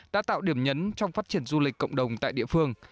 đã tạo điểm nhấn trong phát triển du lịch cộng đồng tại địa phương